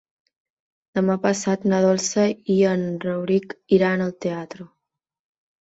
Demà passat na Dolça i en Rauric iran al teatre.